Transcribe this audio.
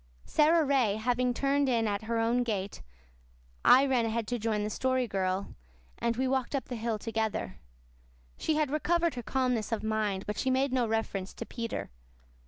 Sara Ray having turned in at her own gate, I ran ahead to join the Story Girl, and we walked up the hill together. She had recovered her calmness of mind, but she made no reference to Peter.